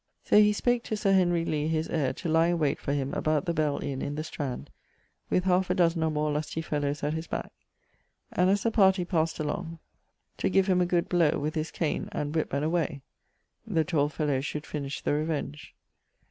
So he spake to Sir Henry Lee his heire to lie in wayte for him about the Bell Inne in the Strand with halfe a dozen or more lustie fellowes at his back and as the partie passed along to give him a good blow with his cane and whip and away, the tall fellowes should finish the revenge.